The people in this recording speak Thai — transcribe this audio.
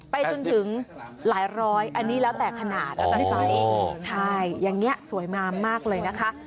ไปจนถึงหลายร้อยอันนี้แล้วแต่ขนาดอ๋อใช่อย่างเงี้ยสวยงามมากเลยนะคะ